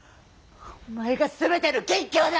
お前が全ての元凶だ！